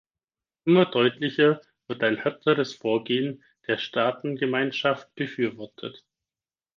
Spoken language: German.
Immer deutlicher wird ein härteres Vorgehen der Staatengemeinschaft befürwortet.